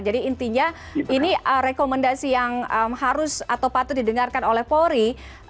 jadi intinya ini rekomendasi yang harus atau patut didengarkan oleh polri